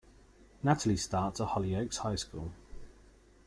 Natalie starts at Hollyoaks High School.